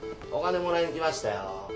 お金もらいに来ましたよ。